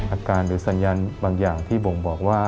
อาการหรือสัญญาณบางอย่างที่บ่งบอกว่า